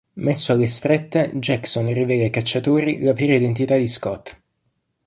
Messo alle strette, Jackson rivela ai cacciatori la vera identità di Scott.